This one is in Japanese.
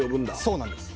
そうなんです。